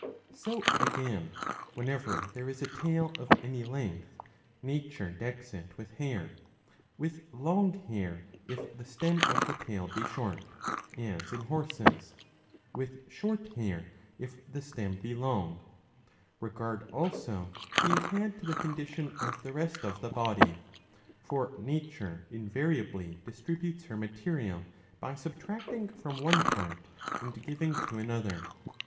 So, again, whenever there is a tail of any length, nature decks it with hair, with long hair if the stem of the tail be short, as in horses, with short hair if the stem be long, regard also being had to the condition of the rest of the body.* For nature invariably distributes her material, by subtracting from one part and giving to another.